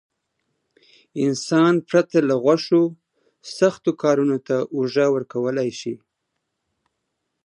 انسان پرته له غوښو سختو کارونو ته اوږه ورکولای شي.